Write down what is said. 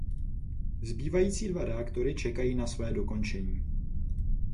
Zbývající dva reaktory čekají na svoje dokončení.